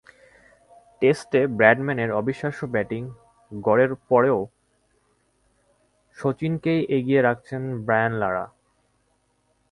টেস্টে ব্রাডম্যানের অবিশ্বাস্য ব্যাটিং গড়ের পরও শচীনকেই এগিয়ে রাখছেন ব্রায়ান লারা।